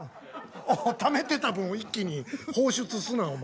ためてた分を一気に放出すなお前。え？